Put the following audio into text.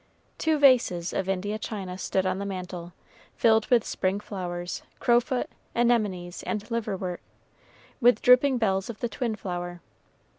Two vases of India china stood on the mantel, filled with spring flowers, crowfoot, anemones, and liverwort, with drooping bells of the twin flower.